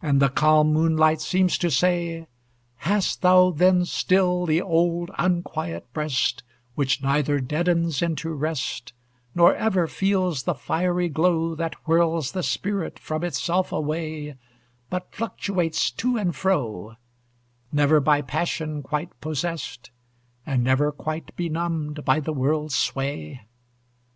And the calm moonlight seems to say: Hast thou then still the old unquiet breast, Which neither deadens into rest, Nor ever feels the fiery glow That whirls the spirit from itself away, But fluctuates to and fro, Never by passion quite possessed And never quite benumbed by the world's sway?